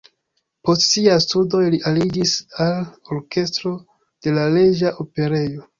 Post siaj studoj li aliĝis al orkestro de la Reĝa Operejo.